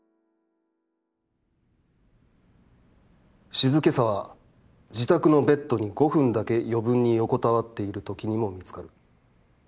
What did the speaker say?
「静けさは自宅のベッドに五分だけ余分に横たわっているときにも見つかる。